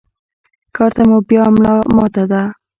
کار ته مو بيا ملا ماته ده.